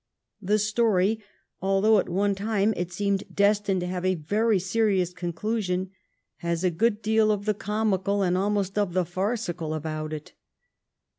The story, although at one time it seemed destined to have a very serious conclusion, has a good deal of the comical and almost of the farcical about it.